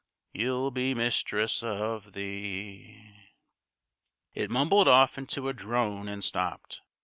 You'll be mistress of the " It mumbled off into a drone and stopped.